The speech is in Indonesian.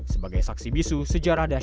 sebagai saksi bisu sejarah dasar